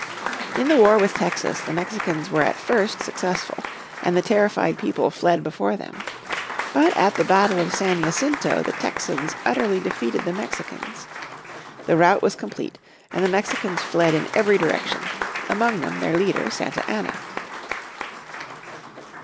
In the war with Texas the Mexicans were at first successful, and the terrified people fled before them. But at the battle of San Jacinto the Texans utterly defeated the Mexicans. The rout was complete and the Mexicans fled in every direction, among them their leader, Santa Anna.